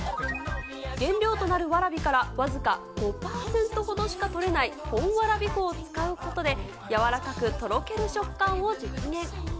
原料となるわらびから、僅か５％ほどしか取れない本わらび粉を使うことで、柔らかくとろける食感を実現。